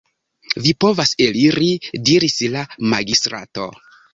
Vi povas eliri, diris la magistrato.